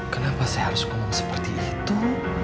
kenapa saya harus ngomong seperti itu